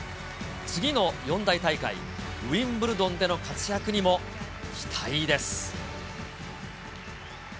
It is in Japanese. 次の四大大会、ウィンブルドンでの活躍にも期待です。